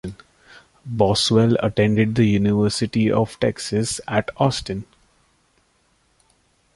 Boswell attended the University of Texas at Austin.